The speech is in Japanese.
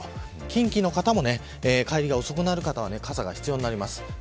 近畿の方も帰りが遅くなる方は傘が必要です。